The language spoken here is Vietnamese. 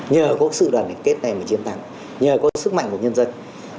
nhờ có sự đoàn kết này và chiến thắng nhờ có sức mạnh của nhân dân